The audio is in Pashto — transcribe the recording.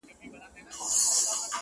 له غمونو اندېښنو کله خلاصېږو.!